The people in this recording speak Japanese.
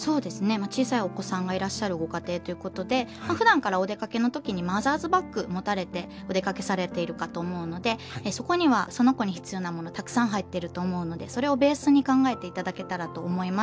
まあ小さいお子さんがいらっしゃるご家庭ということでふだんからお出かけの時にマザーズバッグ持たれてお出かけされているかと思うのでそこにはその子に必要なものたくさん入ってると思うのでそれをベースに考えていただけたらと思います。